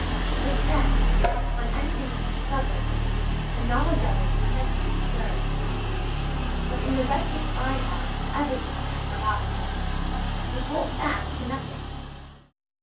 With them, when anything is discovered, the knowledge of it is carefully preserved. But in the wretched fine arts everything is forgotten; we hold fast to nothing.